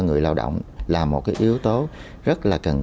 người lao động là một cái yếu tố rất là cần thiết